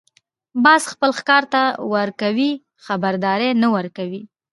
باز خپل ښکار ته وار کوي، خبرداری نه ورکوي